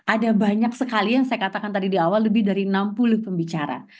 ada banyak sekali yang saya katakan tadi di awal lebih dari enam puluh pembicara